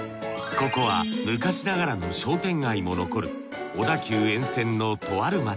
ここは昔ながらの商店街も残る小田急沿線のとある街。